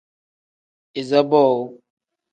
Iza boowu.